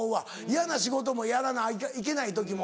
嫌な仕事もやらないけない時も。